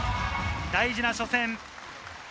大事な初戦。